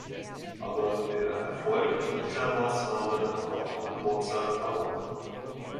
Aber der Erfolg dieser Maßnahme war von kurzer Dauer.